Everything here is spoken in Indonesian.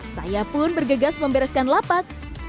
saya pun bergegas membereskan lapak